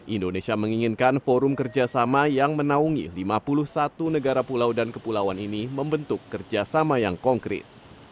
indonesia menginginkan forum kerjasama yang menaungi lima puluh satu negara pulau dan kepulauan ini membentuk kerjasama yang konkret